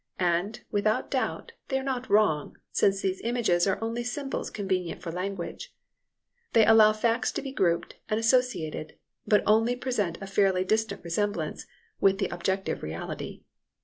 And, without doubt, they are not wrong, since these images are only symbols convenient for language. They allow facts to be grouped and associated, but only present a fairly distant resemblance with the objective reality.